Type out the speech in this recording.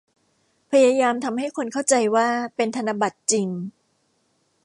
พยายามทำให้คนเข้าใจว่าเป็นธนบัตรจริง